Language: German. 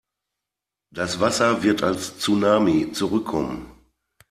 Das Wasser wird als Tsunami zurückkommen.